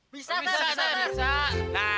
bisa ter bisa ter bisa ter